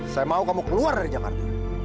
saya mau kamu keluar dari jakarta